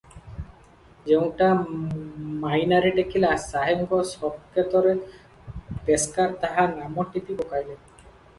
ଯେଉଁଟା ମାଇନାରେ ଟେକିଲା, ସାହେବଙ୍କ ସଙ୍କେତରେ ପେସ୍କାର ତାହା ନାମ ଟିପି ପକାଇଲେ ।